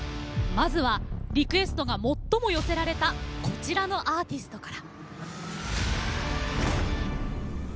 まずはリクエストが最も寄せられたこちらのアーティストから。